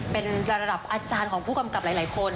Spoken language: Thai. เป็นระดับอาจารย์ของผู้กำกับหลายคน